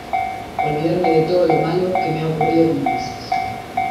olvidarme de todo lo malo que me ha ocurrido con Ulises